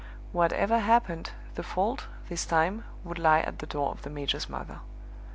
Whatever happened, the fault, this time, would lie at the door of the major's mother.